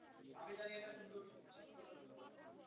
আমি জানি এটা সুন্দর জীবন, স্বাস্থ্যকর জীবন।